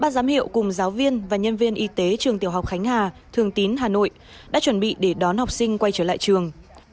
ba giám hiệu cùng giáo viên và nhân viên y tế trường tiểu học khánh hà thường tín hà nội đã chuẩn bị để đón học sinh quay trở lại trường